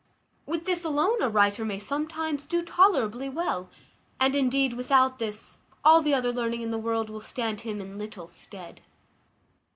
With this alone a writer may sometimes do tolerably well; and, indeed, without this, all the other learning in the world will stand him in little stead.